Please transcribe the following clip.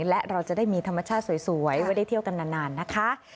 และเราจะได้มีธรรมชาติสวยไว้ได้เที่ยวกันนานนะคะ